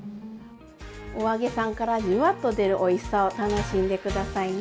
お揚げさんからジュワッと出るおいしさを楽しんで下さいね。